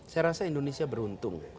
saya rasa indonesia beruntung